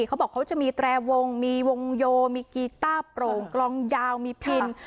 เขาบอกเขาจะมีแตรวงมีวงโยมีกีต้าโปร่งกลองยาวมีพิน